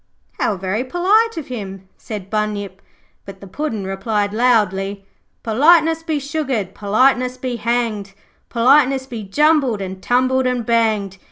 'How very polite of him,' said Bunyip, but the Puddin' replied loudly 'Politeness be sugared, politeness be hanged, Politeness be jumbled and tumbled and banged.